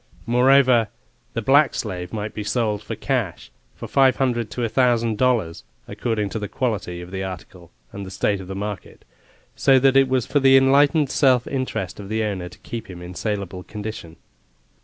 Moreover, the black slave might be sold for cash, for five hundred to a thousand dollars, according to the quality of the article and the state of the market, so that it was for the enlightened self interest of the owner to keep him in saleable condition.